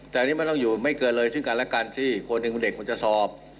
แต่อันนี้มันต้องอยู่ไม่เกินเลยซึ่งกันและกันที่คนหนึ่งเด็กมันจะสอบ